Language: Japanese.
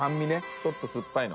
ちょっと酸っぱいの。